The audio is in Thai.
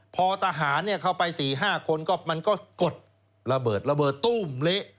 พอทหารเข้าไป๔๕คนก็มันก็กดระเบิดระเบิดตู้มเละ